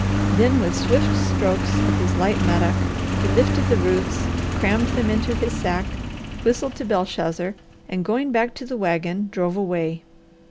Then, with swift strokes of his light mattock, he lifted the roots, crammed them into his sack, whistled to Belshazzar, and going back to the wagon, drove away.